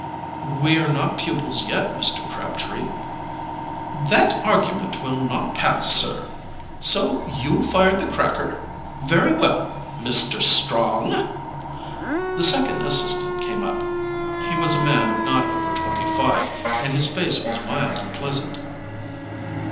"We are not pupils yet, Mr. Crabtree." "That argument will not pass, sir. So you fired the cracker? Very well. Mr. Strong!" The second assistant came up. He was a man of not over twenty five, and his face was mild and pleasant.